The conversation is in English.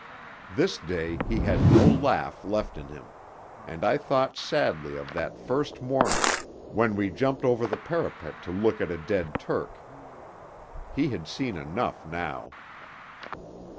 This day he had no laugh left in him, and I thought sadly of that first morning when he jumped over the parapet to look at a dead Turk. He had seen enough now.